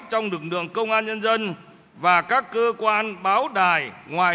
trong lực lượng công an nhân dân và các cơ quan báo đài ngoài